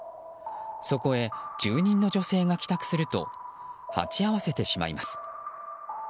そこへ住人の女性が帰宅すると鉢合わせてしまいます。